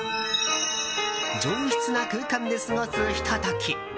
上質な空間で過ごすひと時。